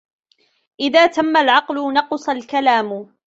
إذا تم العقل نقص الكلام